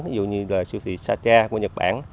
ví dụ như siêu thị satcha của nhật bản